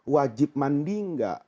wajib mandi enggak